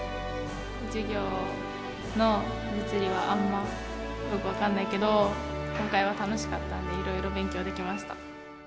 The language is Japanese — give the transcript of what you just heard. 授業の物理はあんまよく分かんないけど今回は楽しかったんでいろいろ勉強できました。